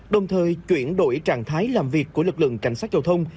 đồng thời chuyển đổi trạng thái làm việc của lực lượng cảnh sát giao thông